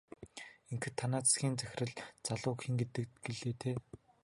Ингэхэд танай тасгийн захирал залууг хэн гэдэг гэлээ дээ?